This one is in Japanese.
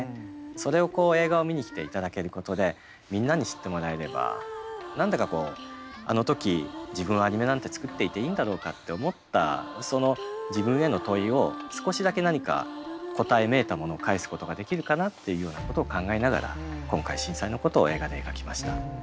それを映画を見に来ていただけることでみんなに知ってもらえれば何だかこうあの時自分はアニメなんて作っていていいんだろうかって思ったその自分への問いを少しだけ何か答えめいたものを返すことができるかなっていうようなことを考えながら今回震災のことを映画で描きました。